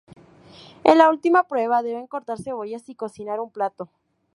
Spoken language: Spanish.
En la última prueba, deben cortar cebollas y cocinar un plato.